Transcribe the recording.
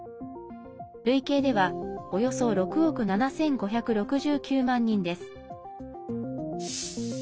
累計ではおよそ６億７５６９万人です。